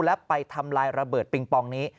และไปทำลายระเบิดปิงปองนี้